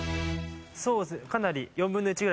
そうですね。